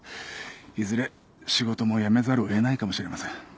いずれ仕事も辞めざるを得ないかもしれません。